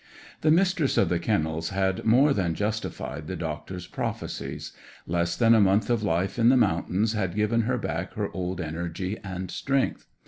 The Mistress of the Kennels had more than justified the doctor's prophecies. Less than a month of life in the mountains had given her back her old energy and strength.